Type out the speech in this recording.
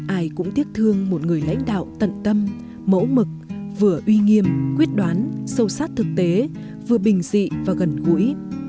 ai cũng tiếc thương một người lãnh đạo tận tâm mẫu mực vừa uy nghiêm quyết đoán sâu sát thực tế vừa bình dị và gần gũi